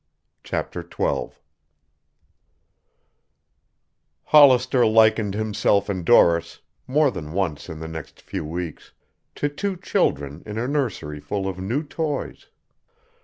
CHAPTER XII Hollister likened himself and Doris, more than once in the next few days, to two children in a nursery full of new toys.